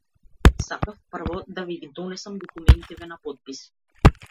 Сакав прво да ви ги донесам документиве на потпис.